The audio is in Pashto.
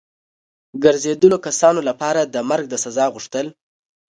ګرځېدلو کسانو لپاره د مرګ د سزا غوښتل.